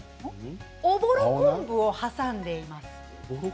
おぼろ昆布を挟んでいます。